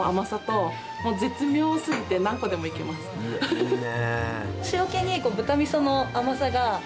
いいね。